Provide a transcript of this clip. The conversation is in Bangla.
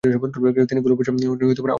তিনি গোলাবর্ষণের আওতামুক্ত ছিলেন।